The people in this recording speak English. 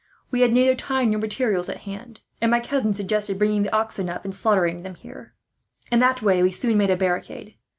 We had neither time nor materials at hand, and my cousin suggested bringing the oxen up, and slaughtering them here. In that way we soon made a barricade.